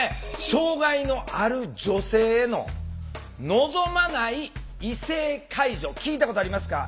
障害のある女性の「望まない異性介助」聞いたことありますか？